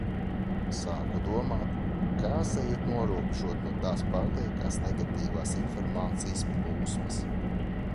Sāku domāt, kā sevi norobežot no tās pārliekās negatīvās informācijas plūsmas.